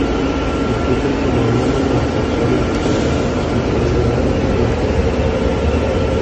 Discuten cómo Eminem alcanzó el estrellato, sin poder llegar a un acuerdo.